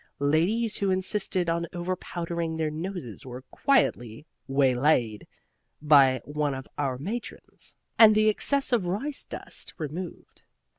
Ladies who insisted on overpowdering their noses were quietly waylaid by one of our matrons, and the excess of rice dust removed.